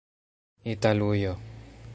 italujo